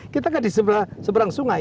kita nggak di seberang sungai